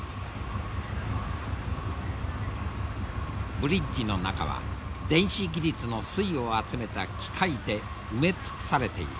ブリッジの中は電子技術の粋を集めた機械で埋め尽くされている。